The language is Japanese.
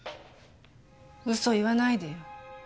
嘘言わないでよ。